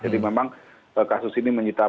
jadi memang kasus ini menyita perhatian